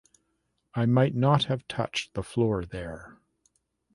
I might not have touched the floor there.